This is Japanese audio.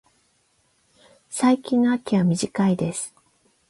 最近の秋は短いです。